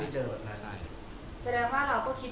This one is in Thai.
ใส่หน้าพอแล่วคิดว่าส่วนหนึ่งเป็นของพ่อก็ไม่ทราบว่าเนี่ย